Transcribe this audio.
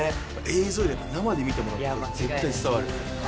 映像よりやっぱ生で見てもらった方が絶対伝わる。